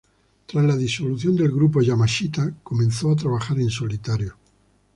Tras la disolución del grupo, Yamashita comenzó a trabajar en solitario.